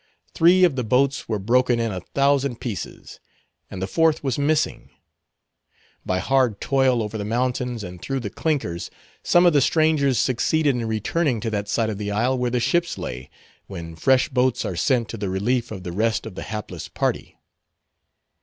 Three of the boats were broken in a thousand pieces, and the fourth was missing. By hard toil over the mountains and through the clinkers, some of the strangers succeeded in returning to that side of the isle where the ships lay, when fresh boats are sent to the relief of the rest of the hapless party.